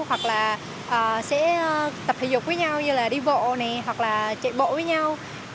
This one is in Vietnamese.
hoặc là sẽ tập thể dục với nhau như là đi bộ này hoặc là chạy bộ với nhau